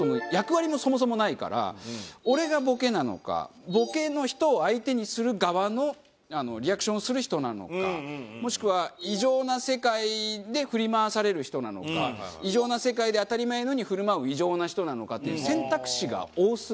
俺がボケなのかボケの人を相手にする側のリアクションをする人なのかもしくは異常な世界で振り回される人なのか異常な世界で当たり前のように振る舞う異常な人なのかっていう選択肢が多すぎて。